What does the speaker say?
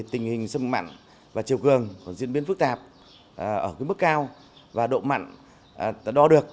tình hình sông mặn và chiều cường diễn biến phức tạp ở mức cao và độ mặn đo được